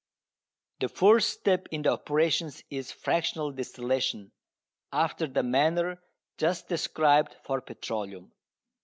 The first step in the operations is fractional distillation, after the manner just described for petroleum.